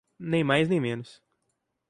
Nem mais, nem menos.